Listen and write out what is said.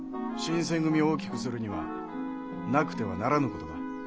新選組を大きくするにはなくてはならぬ事だ。